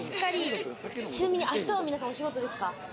ちなみに、あしたは皆さん、お仕事ですか？